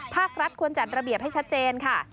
ภาครัฐควรจัดระเบียบให้ชัดเจนค่ะ